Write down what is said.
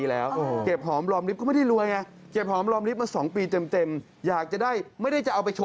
แล้วก็รู้สึกผิดเรื่องที่เขาทำอ่ะค่ะ